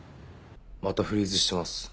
またフリーズしてます。